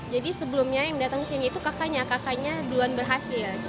jadi sebelumnya yang datang ke sini itu kakaknya kakaknya duluan berhasil